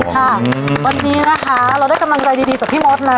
ค่ะวันนี้นะคะเราได้กำลังใจดีจากพี่มดนะ